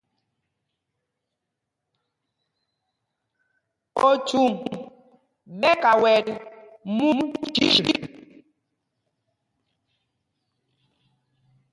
Ochuŋ ɓɛ́ ɛ́ kawɛl múŋ chǐl.